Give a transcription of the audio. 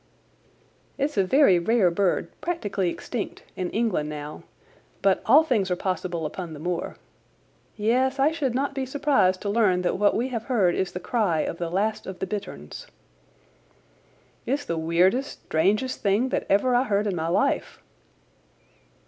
"It's a very rare bird—practically extinct—in England now, but all things are possible upon the moor. Yes, I should not be surprised to learn that what we have heard is the cry of the last of the bitterns." "It's the weirdest, strangest thing that ever I heard in my life."